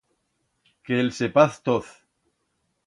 Que el sepaz toz!